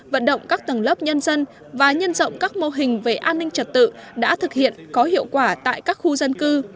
vận động các tầng lớp nhân dân và nhân rộng các mô hình về an ninh trật tự đã thực hiện có hiệu quả tại các khu dân cư